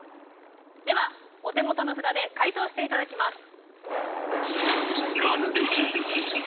ではお手元の札で解答していただきます。